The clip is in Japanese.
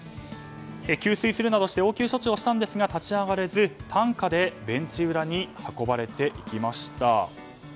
給水するなどして応急処置をしたんですが立ち上がれず、担架でベンチ裏に運ばれていきました。